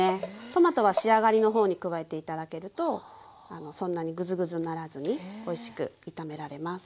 トマトは仕上がりの方に加えて頂けるとそんなにぐずぐずにならずにおいしく炒められます。